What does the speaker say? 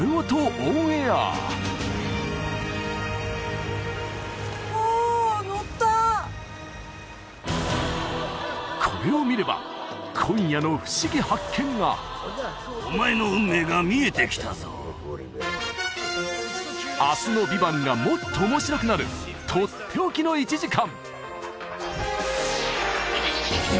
オンエアお乗ったこれを見れば今夜の「ふしぎ発見！」が明日の「ＶＩＶＡＮＴ」がもっと面白くなるとっておきの１時間